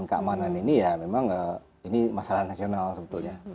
keamanan ini ya memang ini masalah nasional sebetulnya